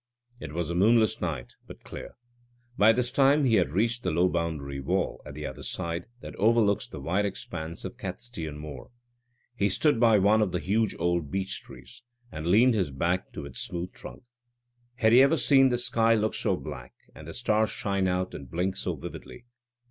It was a moonless night, but clear. By this time he had reached the low boundary wall, at the other side, that overlooks the wide expanse of Catstean Moor. He stood by one of the huge old beech trees, and leaned his back to its smooth trunk. Had he ever seen the sky look so black, and the stars shine out and blink so vividly?